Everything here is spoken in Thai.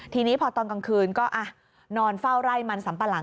ทีนี้พอตอนกลางคืนก็นอนเฝ้าไร่มันสัมปะหลัง